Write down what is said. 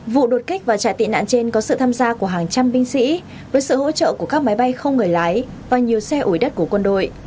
vụ đột kích và chạy tị nạn trên có sự tham gia của hàng trăm binh sĩ với sự hỗ trợ của các máy bay không người lái và nhiều xe ủi đất của quân đội